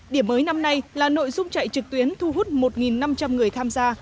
điểm mới năm nay là nội dung chạy trực tuyến thu hút một năm trăm linh người tham gia